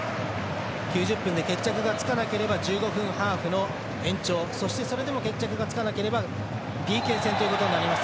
９０分で決着がつかなければ１５分ハーフの延長そしてそれでも決着がつかなければＰＫ戦ということになります。